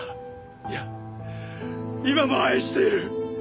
いや今も愛している！